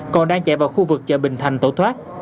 còn đang chạy vào khu vực chợ bình thành tẩu thoát